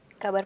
eh kak doni